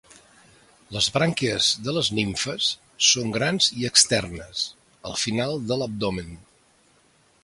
Les brànquies de les nimfes són grans i externes, al final de l'abdomen.